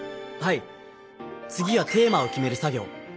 はい次はテーマを決める作業。